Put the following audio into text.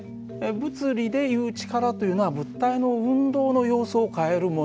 物理でいう力というのは物体の運動の様子を変えるもの。